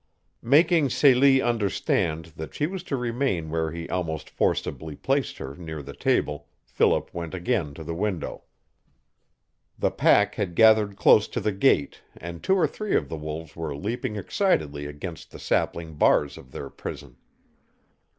Making Celie understand that she was to remain where he almost forcibly placed her near the table, Philip went again to the window. The pack had gathered close to the gate and two or three of the wolves were leaping excitedly against the sapling bars of their prison.